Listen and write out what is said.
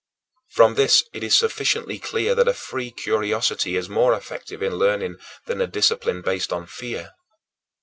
From this it is sufficiently clear that a free curiosity is more effective in learning than a discipline based on fear.